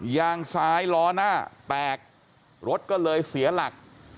ยางซ้ายล้อหน้าแตกรถก็เลยเสียหลัก